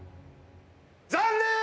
残念！